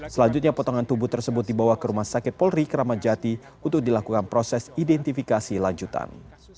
selanjutnya potongan tubuh tersebut dibawa ke rumah sakit polri kramajati untuk dilakukan proses identifikasi lanjutan